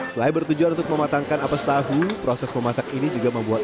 selain bertujuan untuk mematangkan apes tahu proses memasak ini juga membuat